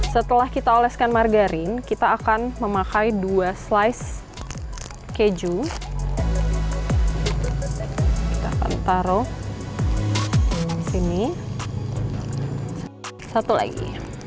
setelah kita oleskan margarin kita akan memakai dua slice keju kita taruh di sini satu lagi